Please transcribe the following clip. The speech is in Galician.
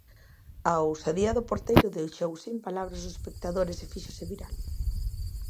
A ousadía do porteiro deixou sen palabras os espectadores e fíxose viral.